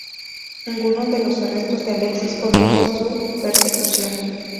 Ninguno de los arrestos de Alexis condujo a su persecución.